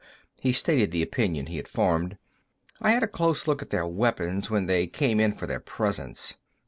He stated the opinion he had formed. "I had a close look at their weapons when they came in for their presents.